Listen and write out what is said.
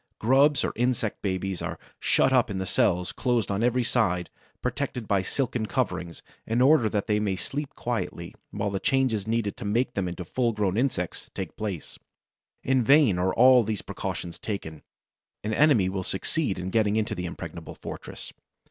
Grubs or insect babies are shut up in cells closed on every side, protected by silken coverings, in order that they may sleep quietly while the changes needed to make them into full grown insects take place. In vain are all these precautions taken. An enemy will succeed in getting into the impregnable fortress.